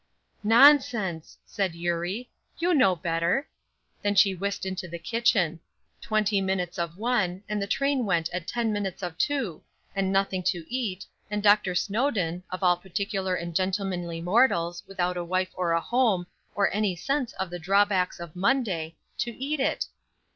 "Nonsense!" said Eurie; "you know better." Then she whisked into the kitchen. Twenty minutes of one, and the train went at ten minutes of two, and nothing to eat, and Dr. Snowdon (of all particular and gentlemanly mortals, without a wife or a home, or any sense of the drawbacks of Monday) to eat it!